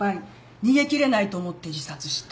逃げ切れないと思って自殺した。